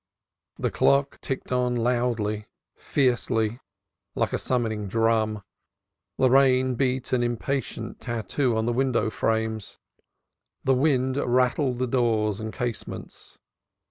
The clock ticked on loudly, fiercely, like a summoning drum; the rain beat an impatient tattoo on the window panes, the wind rattled the doors and casements.